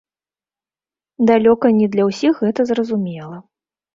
Далёка не для ўсіх гэта зразумела.